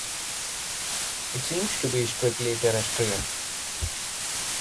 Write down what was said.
It seems to be strictly terrestrial.